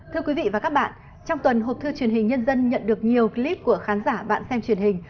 thưa quý vị và các bạn trong tuần hộp thư truyền hình nhân dân nhận được nhiều clip của khán giả bạn xem truyền hình